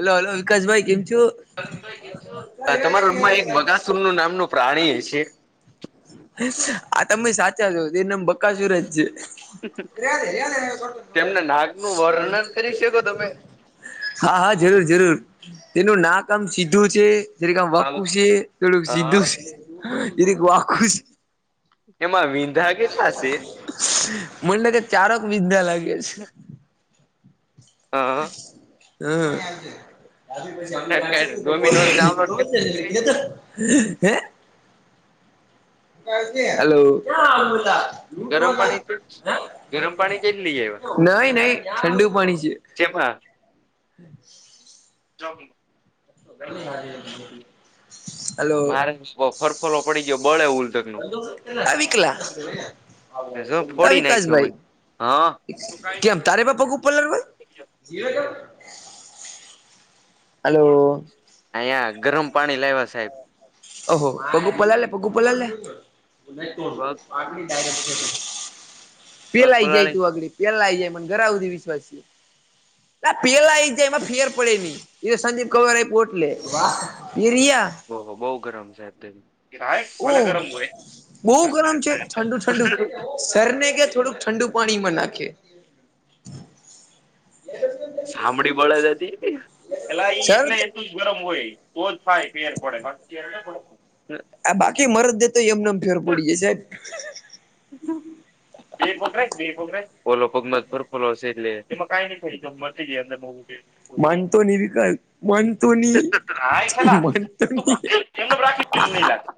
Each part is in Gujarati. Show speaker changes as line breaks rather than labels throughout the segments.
હલો હલો વિકાસભાઈ કેમ છું.
તમારા રૂમમાં એક બગાસુર નું નામનું પ્રાણી છે.
આ તમે સાચા છો તે નામ બકાસુર જ છે. રદે રે.
તેમના નાગ નું વર્ણન કરી શકો તમે.
હા હા જરૂર જરૂર તેનું નાકમ સીધું છે. શ કામ વાકુશી તડ સીધષ વાકુસ.
એમાં વિ.
મનેને કે ચારોક વિદ્યા લાગે છે. હ. આજ
છે
પ
ડોમિનોઝ ડાઉનલોડ કેટલું છે
કાઢટ કેતો. હલો.
ગરમ પાણી ગરમ પાણી કેટલી આવ્યા
નહી નહી ઠંડુ પાણી છે.
જેમાં જોબિંગ
ર હજ [unintelligible]
મારે બફરફરો પડી ગયો બળે ઉલ
અવિકલા
જો ફોડી નાખ્યો અમે
અવિકાસભાઈ
હા
કેમ તારે બાપગ ઉપલર હોય હલો.
અયા ગરમ પાણી લાવવા સાહેબ.
ઓહો પગુ પલાલે પગુ પલા લ.
પગ પગ
પેલાઈ
પલાળી
જાય તું અગડી પેહલા આઈ જાય મને ઘરા આવધી વિશ્વાસ છે. ના પેલા આવી જાય એમાં ફેર પડે નહી. એ સદીપ કવારે પોટલે એ રિયા
ઓહ બહુ ગરમ છે અતથી ખાય
ઓ
ભલે ગરમ હોય
સર ને કે થોડુંક ઠંડુ પાણીમાં નાખે
સાંભળી બળે જ હતી એલા ઈ
સર
એટલે એલ ગરમ હોય તોજ થાય ફેર પડે બાકી ફેર ન પડે
આ બાકી મરજ દે તો એમનેમ ફેર પડી જસે હમ હમ
બે કોકરા બે કોકરા ફોલો પગ મજ ફોલોશે એટલે એમાં કઈ ન મળાય [unintelligible] અંદર. કે
માનતો નહી, વિકાસ માનતો નહી, માનતો નહી.
એ રાખી નહી લાગે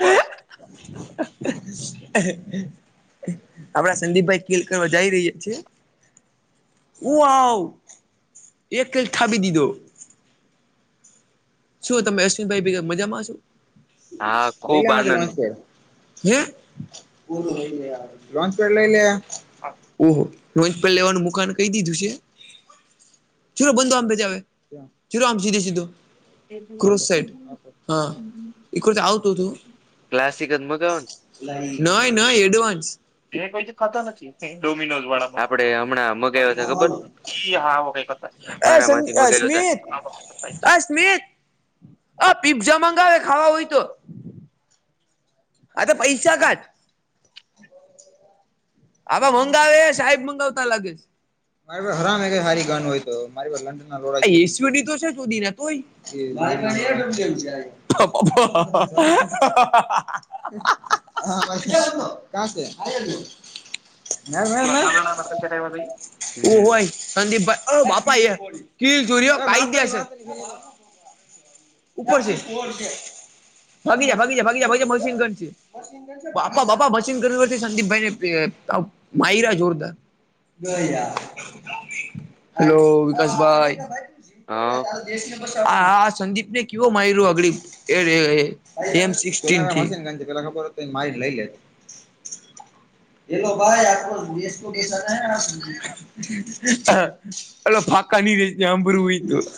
બસ.
[inaudible] આપડા સંદીપભાઈ કેલ કરવા જઈ રહહીએ છીએ હ આવ એક પ્લેટ થાવી દી દો શું તમે અશ્વિનભાઈ ભેગા મજામાં છો?
હા ખુબ આનંદ
[unintelligible] હ ઓહ લોન પડ લઈ લે ઓહો નોપ લેવાનું મકાન કહી દીધું છે. ચિરો બંધો આે ચિરો આમીધે સીધું. ક્રોસ સાટ હા એ કતે આવતું હતું.
ક્લાસિક જ મગાવો
ન નહી એડવાન્સ
એ કો થતો નથી ડોમિનો વાળ આપડે હમણાં મ ખબર મારા, માંથી [unintelligible]
એ
મગાયે છે.
સ્મિત પીઝ્ઝા મંગાવે ખાવા હોય તો આ તો પૈસા કાટ હવા
જ
મંગાવે સાહેબ મંગાવતા લાગે છે. મારીસે હરામ સારી ગાનું હોય તો મારીસે લંડન લોડા તો છે સુધી ને તોય એ ભ ફિયા ડમ જ છે આ [unintelligible] [inaudible] હા પછી કં છે. ના ના ના
નાના નાના પેકેટ આવ્યા હતા ઈ હમ
ઓય સંદીપ ભાઈ અ બાપા એ કીલ ચુરીઓ કઈ જ્યાશે [unintelligible] ઉપર છે ભાગી જ ભાગી જ ભાગી ભાગી મસનગંજ છે. બાપા બાપા ભસીન ગ વરથી સંદીપભાઈ ને માયરા જોરદાર હેલો વિકાસભાઈ
હા
હા સંદીપ ને કેવો મારી્યો અગડીબ એ એફ સીક્સટીન થી, પેલા ખબર હત મારી લઇ લેત હેલો ભાઈ આપસા [unintelligible] હ [unintelligible]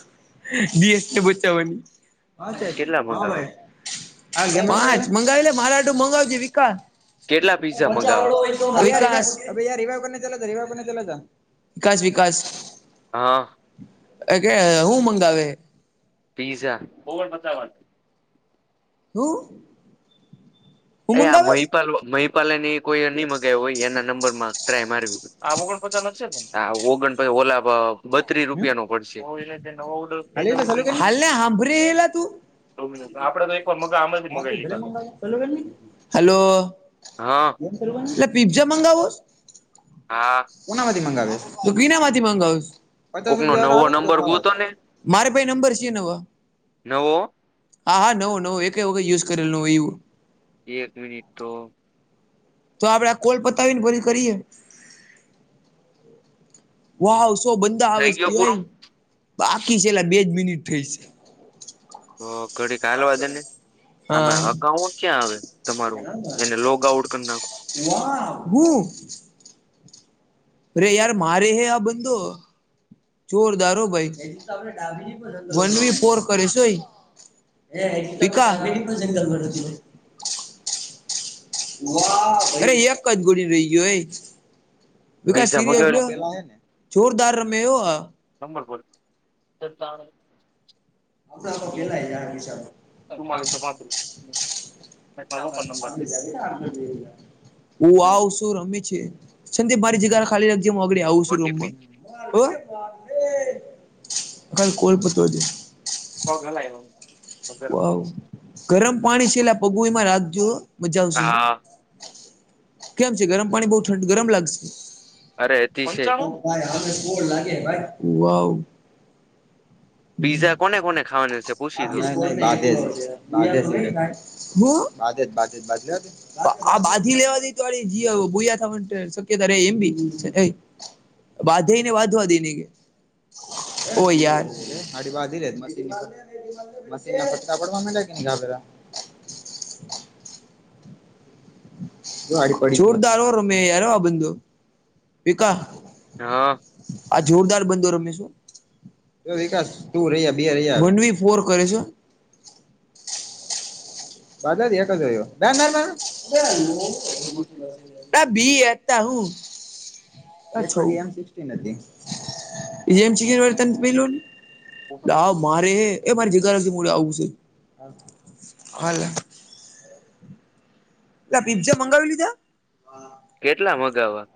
બીએસ બચાવાની
કેટલા
હા
મગાવા
ભ મંગાવ લ મારાું મંગાવજે વિકાસ
કેટલા પીઝા મગાવા
વિકાસ ચલા વિકાસ વિકાસ
હા
કે હું મંગાવે
પિઝા ઓવ પચાવટ
હમ.
અ મહીપાલ મહીપાલ કોઈ નહી મગાવ હોય એના નંબર માં ટ્રાય માર્યું. આ ઓગણ પછા નથી છે ઓગણ પછી ઓલાબ બત્રીસ
હમ
રૂપિયા નો પડશે નડ ક
ખાલી
હોય તો
ચાલુ કરી હાલને હાંભરી હેલા તું
આપડે તો એક વાર મગા આમાંથી
હા તે
મગાવી
ભલે
લીધા.
મંગાવ
હમ
હલો
હા
એ પિ્ઝા મંગાવો
હા.
કોના માંથી મગાવે તો ગીના માંથી મગાવશ. પચાસ
કોકનો
રૂપિયા વાર
નવો
આવે તો
નંબર
ખાવા
ગોતો ને
મારે પાઈ નંબર છે તેનો હે.
નવો
હા હા નવો નવું એક વખત યુઝ કરેલ ન એવું.
એક મિનિટો.
તો આપડે કોલ પતાવી ને પરી કરીએ. વાહ સો બંદા
થઈ ગયો
આવેજથી
પૂરો
હોય બાકી છે એલા બેજ મિનિટ થઈ છે.
ઓ ઘડી કાલવાજને
હા
આમાં અકાઉન્ટ ક્યાં આવે તમારું એને લોગ આઉટ કરનાખો
વાહ હુ અરે યાર મારે હે આ બંધો જોરદારો ભાઈ વન વી ફોર કરશુંય એ પા કેટ પણ જંગલ કર છે અરે એક જ ગોડી રહી ગયો. વિકાસ
પૈસા
સીરસ
મગાવેલ
લો જોરદાર રમે અ.
ન [unintelligible]
આપ પેલા હિસાબ
રૂમાલે છ બાથરૂમ
ઓ આ ઓસો રમે છે. સંંતે મારી જગા ખાલી રાખજેુંગળ આવું છું
ઓટીપી
રૂમમાં. કોલ પતો છે.
કોલ કવ આવે
ગરમ પાણી છેલ્લા પગમાં રાખજો મજા આવશે.
હા
કેમ છે ગરમ પાણી બહુ ઠડ ગરમ લાગશે..
અરે અતિશય
લાગે ભાઈ વા
પિઝા કોને કોને ખાવાનું છે. પૂછી દો
બાધધ બાધ બા બાજ [unintelligible] આ બાંધી લેવા દઈ તો બોયા થવા શક્યતા રે એમ બી બાંધી ને બાંધવા દેને કે. ઓ યાર હારી વાંધી રે મશીન પટા પડવા મ્યા કે ન જ પે. જોરદારવા રમે યારવા બંધ. ભીકા
હા
આ જોરદાર બંદો રમેશું વિકાસ તું રહ્યા બે રહ્યા ફોર કરે છે. દધા એક જયો બેર બી હતા હું ન મારે એ મારે જગાડે આવું છે. હા પેલા પી્ઝા મંગાવી લીધા
કેટલા મગાવા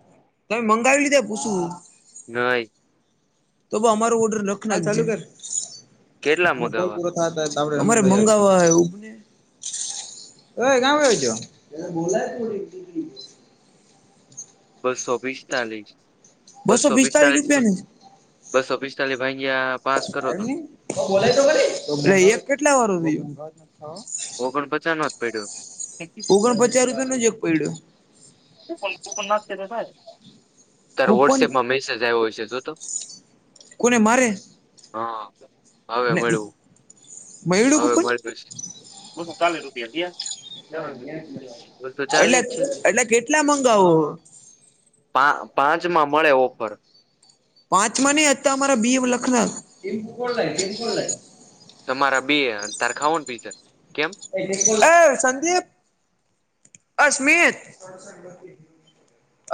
તમે મંગાવી લીધે પૂછુ
નઈ
તો અમારો ઓર્ડર નખ નાખ ચાલુ કર
કેટલા મગાવવા
અરે મંગાવવાને આય ક્યા વહી ગયો. [unintelligible]
બસો પિસ્તાલીસ બસો પિસ્તાલીસ બસો પિસ્તાલીસ ભાઈ ગયા પાસ કરો તો
બોલાય તો ખરી કેટલા વાર થ
ઓગણપચાસ માર જ પડ્યુ
ઓગણ પચાસ રૂપિયાનો જ એક પડ્યો.
તાર
કૂપન
વોટ્સપમાં મેસેજ આવ્યો હશે જો તો.
કોને મારે
હા હવે
ને
મળયુ
મયળું
હવે
કુપન
મળ બું [unintelligible] ચાલી રૂપિયા થયા.
એટલે
છે
એટલે કેટલા મંગાવો
પા પાંચમાં મળે ઓફર
પાંચમાં નઈ હતા અમારા [inaudible] બી લખન
તમારા બે તરખાઓન બી છે. કેમ.
અ સંદીપ અ સ્મિત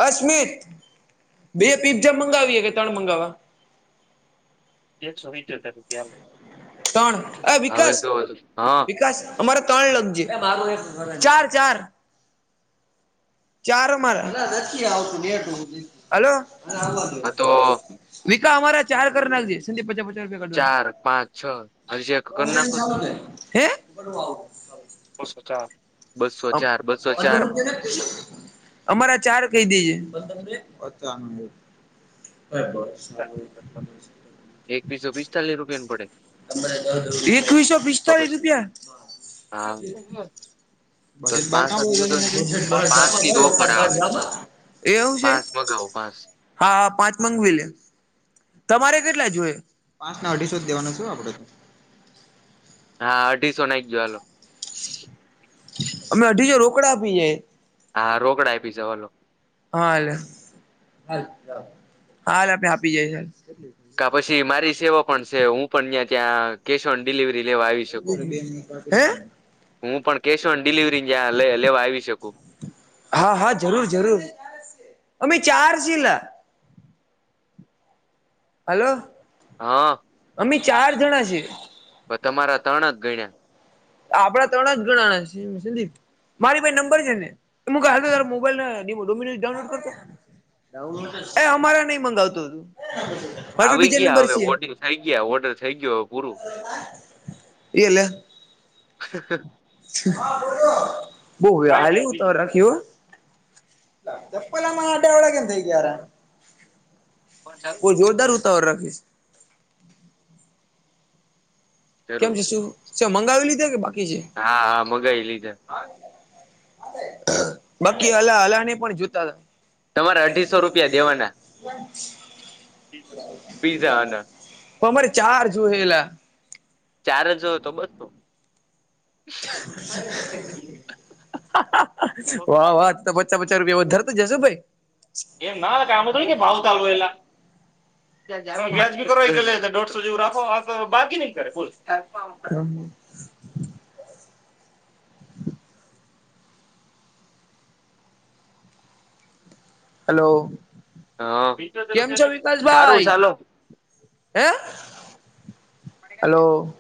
અ સ્મિત બે પીઝા મંગાવીએ કે ત્રણ મંગાવવા
એકસો સીતયોતેર રૂપિયા આલો.
તણ અ વિકાસ
હા
વિકાસ અમારે ત્રણ લખ છે. ચાર ચાર ચારો મારા આવતું હલો.
હા, તો.
વિકા અમારા ચાર કર નાખજે પચ પચાસ રૂપિયા
ચાર પાંચ છ હજી એક કરી નાખો તો
ક [unintelligible] હે
બસો ચાર બસો
મ
ચાર બસો ચાર
અંધસખ્યા છે. અમારા ચાર કહી દે છે. હબહ
એક પીસો પિસ્તાલીસ રૂપિયાની પડે
એકવીસો
તો
પિસ્તાળસ
પછી
રૂપિયા
હા તો
બટ બાટ
પાંચ
વખત
પાંચ
જ
પાસ મગાાવો પાસ.
હા પાંચ મગવી લે. તમારે કેટલા જોએ પાંચ ના અઢીસો જ દેવાનો છું. હ [inaudible]
હા અઢીસો નાખજો હાલો
અમે અઢીસો રોકડા આપીએ
હા રોકડા આપી છે. હલો
હાલ-હાલ આપે આપી જઈશાલ
કા પછી મારી સેવા પણ છે. હુ, પણ અહં ત્યા કેશ ઓન ડિલિવરી લેવા આવી શકુ
હે
હુ, પણ કેશ ઓન ડિલિવરી જ્યાં લેવા આવી શકું
હા હા જરૂર જરૂર અમે ચાર છે લા હલો.
હા
અમે ચાર જણા છીએ
તો તમારા ત્રણ જ ગણ્યા.
આપડા ત્રણ જ ગણા સંદીપ. મારી ભાઈ નંબર છે ને એ ક મોબાઈલ ડોમિનોઝ ડાઉનલોડ કરતો. અમારે નહી મંગાવતું હતું.
આવી
બહ
કઈ નઈ
હલેવું ત
બીજું
રાખ [inaudible] તો પેલા માં આટ્યા વડા કેમ થઇ ગયા? [unintelligible] કો જોરદાર હોતા હો કેમ છે શું છે મંગાવી લીધે કે બાકી છે.
હા હા મગઈ લીધા
બાકી અલા અલા પણ જોુતા હતા. [unintelligible]
તમારે અઢીસો રૂપિયા દેવાના.
વાચ.
પઝ પીઝા હ ના. [unintelligible]
પમર ચાર જોુએેલા. [unintelligible]
ચારજ હોય તો બસ.
[unintelligible] વાહ વાહ તો પચા પચા રૂપિયા વધારે તો જશો ભાઈ.
એમ ના એમા થોડી ભાવ તાલ હોય યાર [unintelligible] એટ દોઢસો જેવું રાખો બગેનિંગ કરે.
[unintelligible] હલો. કેમ છો
હ સારું
વિકાસભાઈ
ચાલો.
હે હલો.